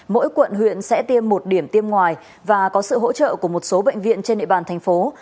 mỗi quận huyện sẽ tiêm một điểm tiêm ngoài và có sự hỗ trợ của một số bệnh viện trên nệ bản tp hcm